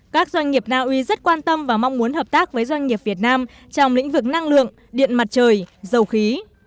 các doanh nghiệp na uy rất quan tâm và mong muốn hợp tác với doanh nghiệp việt nam trong lĩnh vực năng lượng điện mặt trời dầu khí